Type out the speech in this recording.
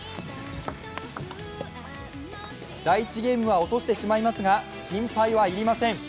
第１ゲームは落としてしまいますが心配は要りません。